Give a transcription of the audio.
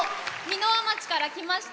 箕輪町から来ました